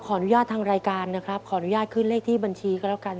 อนุญาตทางรายการนะครับขออนุญาตขึ้นเลขที่บัญชีก็แล้วกัน